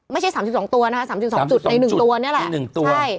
ไม่ใช่๓๒ตัวนะคะ๓๒จุดใน๑ตัวเนี่ยแหละ